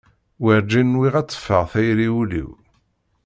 Werǧin nwiɣ ad teffeɣ tayri ul-iw.